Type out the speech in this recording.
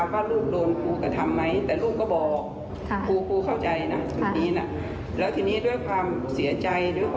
พ่อช่วยครูเขาด้วยไหมอย่างนี้หน่ะลูก